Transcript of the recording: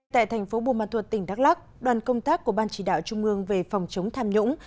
tại thành phố buôn ma thuật tỉnh đắk lắc đoàn công tác của ban chỉ đạo trung ương về phòng chống tham nhũng